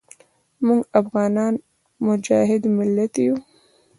موږ افغانان مجاهد ملت یو.